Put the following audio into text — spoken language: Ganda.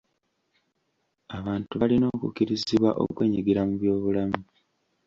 Abantu balina okukubirizibwa okwenyigira mu by'obulamu.